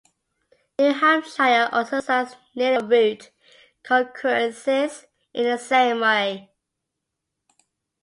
New Hampshire also signs nearly all route concurrencies in the same way.